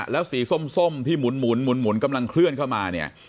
แล้วสีส้มส้มที่หมุนหมุนหมุนหมุนกำลังเคลื่อนเข้ามาเนี่ย